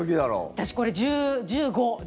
私、これ、１５。